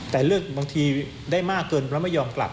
แต่เรื่องบางทีได้มากเกินแล้วไม่ยอมกลับ